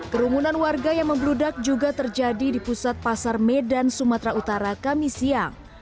kerumunan warga yang membludak juga terjadi di pusat pasar medan sumatera utara kami siang